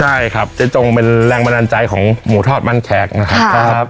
ใช่ครับเจ๊จงเป็นแรงบันดาลใจของหมูทอดมันแขกนะครับ